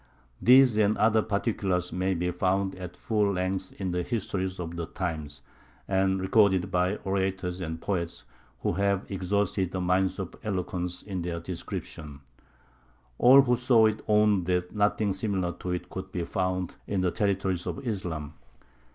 These and other particulars may be found at full length in the histories of the times, and recorded by orators and poets who have exhausted the mines of eloquence in their description; all who saw it owned that nothing similar to it could be found in the territories of Islam.